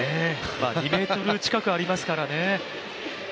２ｍ近くありますからね。